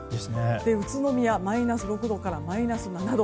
宇都宮、マイナス６度からマイナス７度。